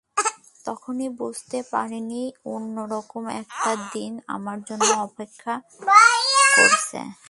তখনো বুঝতে পারিনি অন্য রকম একটি দিন আমার জন্য অপেক্ষা করছে।